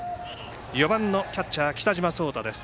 ４番のキャッチャー、北島蒼大。